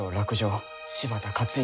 柴田勝家